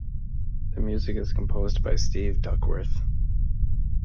The music is composed by Steve Duckworth.